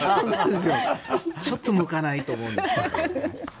ちょっと向かないと思うんです。